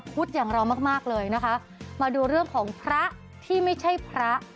อย่างเรามากมากเลยนะคะมาดูเรื่องของพระที่ไม่ใช่พระ